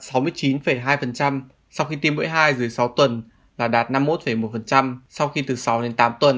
sau khi tiêm bỡi hai dưới sáu tuần là đạt năm mươi một một sau khi từ sáu đến tám tuần